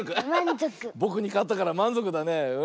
ぼくにかったからまんぞくだね。